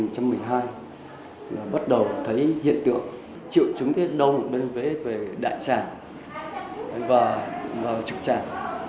chúng thấy đau ở bên vế về đại tràng và trực trạng